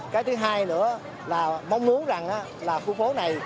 cái thứ hai nữa là mong muốn rằng là khu phố này